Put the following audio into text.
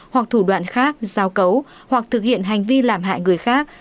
hoặc thủ đoạn khác giao cấu hoặc thực hiện hành vi làm hại người khác